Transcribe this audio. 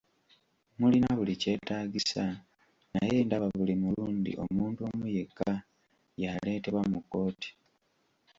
Mulina buli kyetaagisa naye ndaba buli mulundi omuntu omu yekka y'aleetebwa mu kkooti!